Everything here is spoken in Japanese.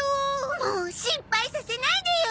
もう心配させないでよ！